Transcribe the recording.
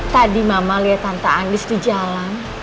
tadi mama liat tante andis di jalan